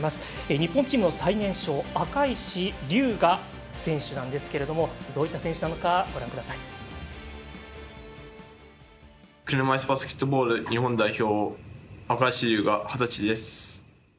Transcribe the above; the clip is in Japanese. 日本チームの最年少赤石竜我選手なんですけれどもどういった選手なのか車いすバスケットボール日本代表赤石竜我、二十歳です。